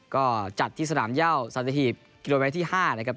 ก็จัดที่สนามเย่าสันติฮีทกิโลเมตรที่ห้านะครับ